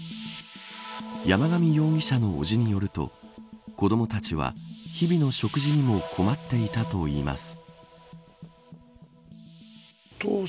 山上容疑者の伯父によると子どもたちは、日々の食事にも困っていたといいます。